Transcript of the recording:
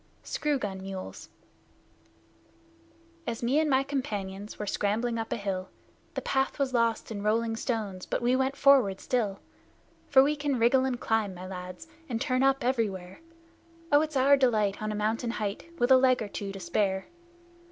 SCREW GUN MULES As me and my companions were scrambling up a hill, The path was lost in rolling stones, but we went forward still; For we can wriggle and climb, my lads, and turn up everywhere, Oh, it's our delight on a mountain height, with a leg or two to spare!